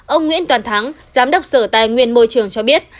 ông nguyễn toàn thắng giám đốc sở tài nguyên môi trường cho biết